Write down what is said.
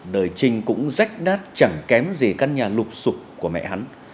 đời trinh cũng rách đát chẳng kém gì các nhà lục sục của mẹ hắn